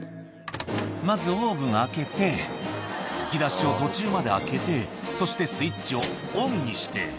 まずオーブン開けて、引き出しを途中まで開けて、そしてスイッチをオンにして。